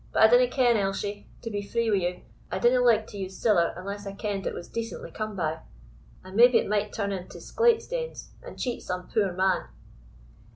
But I dinna ken, Elshie; to be free wi' you, I dinna like to use siller unless I kend it was decently come by; and maybe it might turn into sclate stanes, and cheat some poor man."